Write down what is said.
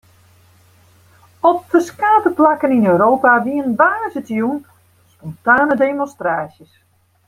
Op ferskate plakken yn Europa wiene woansdeitejûn spontane demonstraasjes.